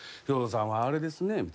「兵動さんはあれですね」